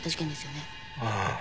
ああ。